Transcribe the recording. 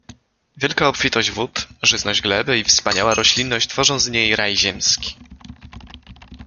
Wielka obfitość wód, żyzność gleby i wspaniała roślinność tworzą z niej raj ziemski.